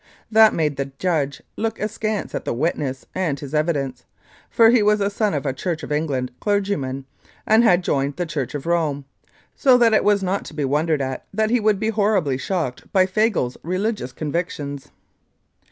That made the judge look askance at the witness and his evidence, for he was a son of a Church of England clergyman, and had joined the Church of Rome, so that it was not to be wondered at that he would be horribly shocked by Fagle's religious convictions.